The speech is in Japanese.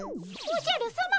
おじゃるさま